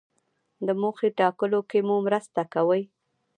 د موخې ټاکلو کې مو مرسته کوي.